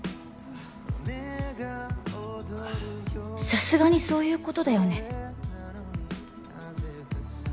さすがにそういうことだよね？